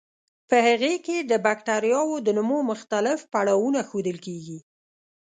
په هغې کې د بکټریاوو د نمو مختلف پړاوونه ښودل کیږي.